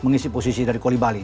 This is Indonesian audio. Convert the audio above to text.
mengisi posisi dari kuali bali